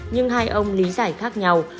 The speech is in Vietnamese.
nhưng hai ông lý giải khác nhau